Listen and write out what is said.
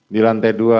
di lantai dua